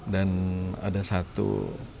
dan ada satu orang yang meninggal dunia